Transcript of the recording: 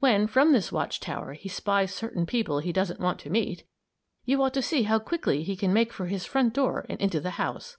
When, from this watch tower, he spies certain people he doesn't want to meet, you ought to see how quickly he can make for his front door and into the house!